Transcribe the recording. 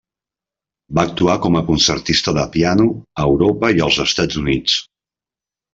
Va actuar com a concertista de piano a Europa i els Estats Units.